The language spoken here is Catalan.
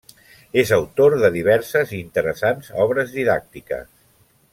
És autor de diverses i interessants obres didàctiques.